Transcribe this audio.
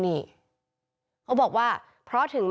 ไม่เคยได้มาพูดคุยถามอาการของลูกหนู